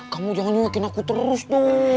kamu jangan nyuyakin aku terus tuh